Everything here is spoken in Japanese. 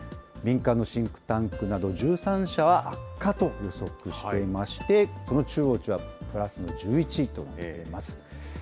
民間のシンクタンクなど１３社は悪化と予測していまして、この中央値はプラスの１１と出ています。